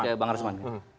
nanti ke bang rasman